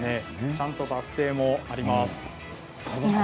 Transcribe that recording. ちゃんとバス停もあります。